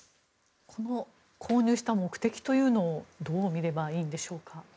この購入した目的というのをどう見ればいいんでしょうか。